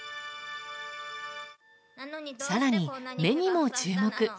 更に、目にも注目。